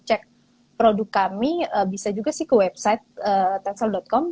jadi kita bisa lihat produk kami bisa juga sih ke website tensel com